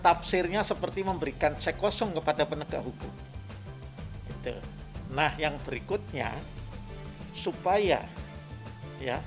tafsirnya seperti memberikan cek kosong kepada penegak hukum itu nah yang berikutnya supaya ya